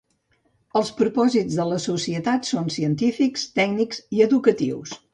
Els propòsits de la societat són científics, tècnics i educatius.